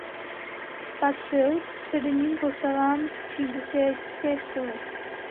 Patřil k předním postavám chicagské školy.